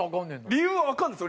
理由はわからないです。